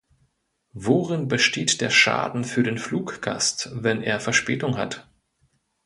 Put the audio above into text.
Worin besteht der Schaden für den Fluggast, wenn er Verspätung hat?